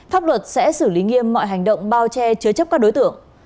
pháp luật sẽ xử lý nghiêm mọi hành động bao che chứa chấp các đối tượng